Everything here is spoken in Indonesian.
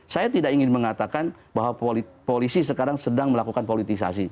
saya tidak ingin mengatakan bahwa polisi sekarang sedang melakukan politisasi